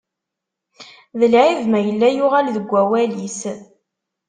D lɛib ma yella yuɣal deg wawalis.